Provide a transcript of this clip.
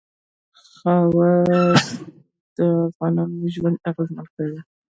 خاوره د افغانانو ژوند اغېزمن کوي.